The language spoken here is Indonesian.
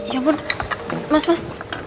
ya ampun mas mas